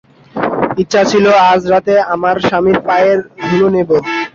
ইচ্ছা ছিল আজ রাতে আমার স্বামীর পায়ের ধুলো নেব।